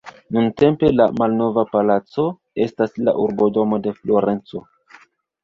Nuntempe la "Malnova Palaco" estas la urbodomo de Florenco.